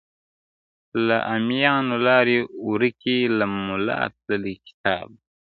له امیانو لاري ورکي له مُلا تللی کتاب دی-